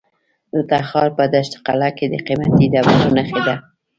د تخار په دشت قلعه کې د قیمتي ډبرو نښې دي.